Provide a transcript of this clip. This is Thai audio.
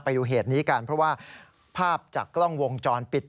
ไปดูเหตุนี้กันเพราะว่าภาพจากกล้องวงจรปิด